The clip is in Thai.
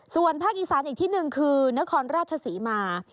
ส่วนภาคอีกษานอีกที่๑คือณครราชสีมา